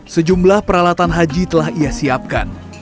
sejumlah peralatan haji telah ia siapkan